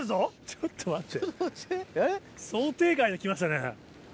ちょっと待って。